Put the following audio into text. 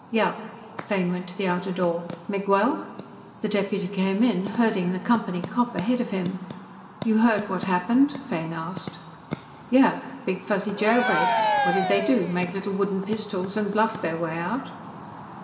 "Yeah." Fane went to the outer door. "Miguel." The deputy came in, herding the Company cop ahead of him. "You heard what happened?" Fane asked. "Yeah. Big Fuzzy jailbreak. What did they do, make little wooden pistols and bluff their way out?"